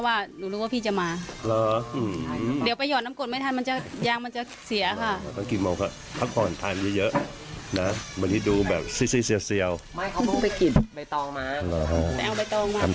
วันไหนครับวันนี้ค่ะพรรดิไปวัดเช้า